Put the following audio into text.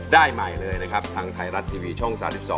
ได้ใหม่เลยนะครับทางไทยรัฐทีวีช่อง๓๒